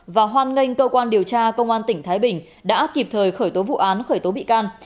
và hoan nghênh cơ quan điều tra công an tỉnh thái bình đã kịp thời khởi tố vụ án khởi tố bị can